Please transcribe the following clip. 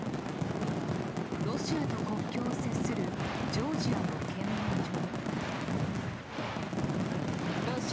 ロシアと国境を接するジョージアの検問所。